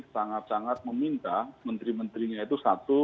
sangat sangat meminta menteri menterinya itu satu